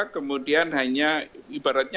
kemudian hanya ibaratnya